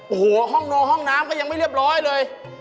โอ้โหห้องโนห้องน้ำก็ยังไม่เรียบร้อยเลย